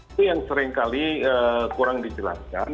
itu yang seringkali kurang dijelaskan